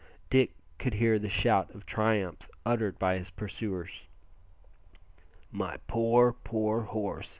Dick could hear the shout of triumph uttered by his pursuers. "My poor, poor horse!"